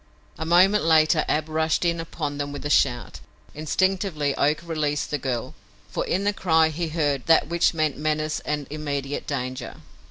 A moment later Ab rushed in upon them with a shout. Instinctively Oak released the girl, for in the cry he heard that which meant menace and immediate danger.